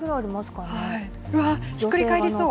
うわ、ひっくり返りそう。